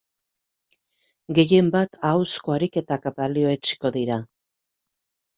Gehien bat ahozko ariketak balioetsiko dira.